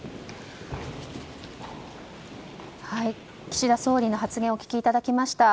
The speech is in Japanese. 岸田総理の発言をお聞きいただきました。